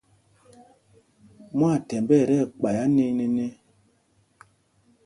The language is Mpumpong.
Mwaathɛmb ɛ tí ɛkpay anyēnēnē.